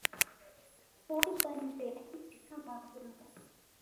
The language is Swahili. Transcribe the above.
kuuzwa nje ya nchi kama watumwa